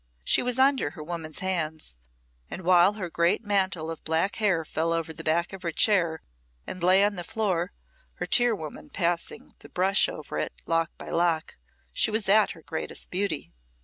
She was under her woman's hands, and while her great mantle of black hair fell over the back of her chair and lay on the floor, her tirewoman passing the brush over it, lock by lock, she was at her greatest beauty.